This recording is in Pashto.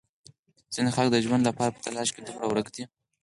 ځینې خلک د ژوند لپاره په تلاش کې دومره ورک دي.